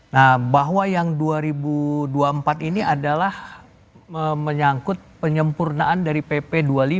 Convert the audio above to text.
nah bahwa yang dua ribu dua puluh empat ini adalah menyangkut penyempurnaan dari pp dua puluh lima